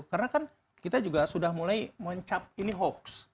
karena kan kita juga sudah mulai mencap ini hoax